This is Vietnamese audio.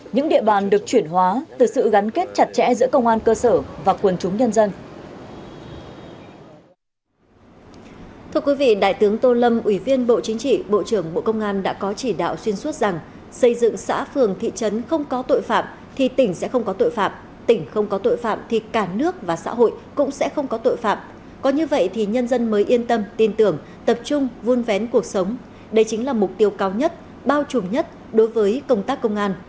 những địa bàn được chuyển hóa từ sự gắn kết chặt chẽ giữa công an cơ sở và quần chúng nhân dân